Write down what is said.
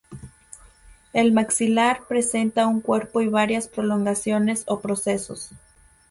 El maxilar presenta un cuerpo y varias prolongaciones o procesos.